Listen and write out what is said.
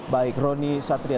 baik roni satria